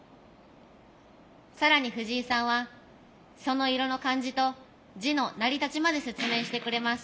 更に藤井さんはその色の漢字と字の成り立ちまで説明してくれます。